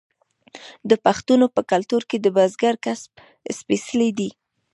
د پښتنو په کلتور کې د بزګرۍ کسب سپیڅلی دی.